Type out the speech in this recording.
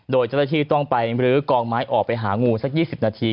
โดยเจ้าหน้าที่ต้องไปมรื้อกองไม้ออกไปหางูสัก๒๐นาที